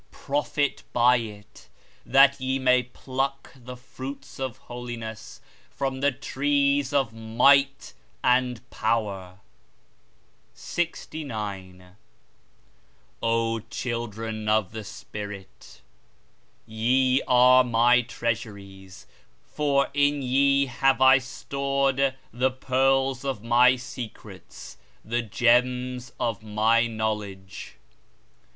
Profit by it, that ye may pluck the fruits of Holiness from the Trees of Might and Power. [R] 69. O YE SONS OF SPIRIT! Ye are My treasury, for in you I have treasured the pearls of My mysteries and the gems of My knowledge.